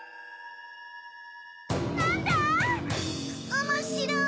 おもしろい！